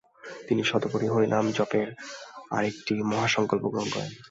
তিনি শতকোটি হরিনাম জপের আরেকটি মহা সংকল্প গ্রহণ করেন।